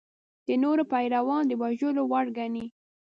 د نورو پیروان د وژلو وړ ګڼي.